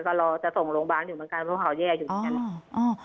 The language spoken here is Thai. ก็รอจะส่งโรงพยาบาลอยู่เหมือนกันเพราะเขาแย่อยู่เหมือนกัน